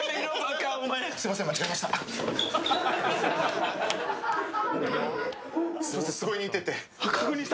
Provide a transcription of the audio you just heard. すいません、間違えました。